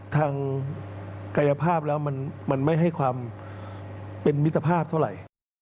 ทางกายภาพแล้วมันไม่ให้ความเป็นมิตรภาพเท่าไหร่